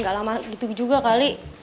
gak lama gitu juga kali